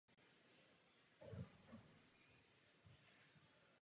Dokončujeme dnes práci na letištních poplatcích.